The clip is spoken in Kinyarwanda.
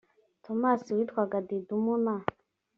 tomasi witwaga didumo na